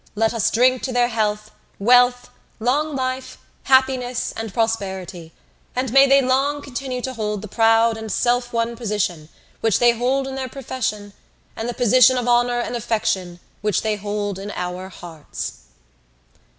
Let us drink to their health, wealth, long life, happiness and prosperity and may they long continue to hold the proud and self won position which they hold in their profession and the position of honour and affection which they hold in our hearts."